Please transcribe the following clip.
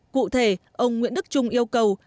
cụ thể ông nguyễn đức trung yêu cầu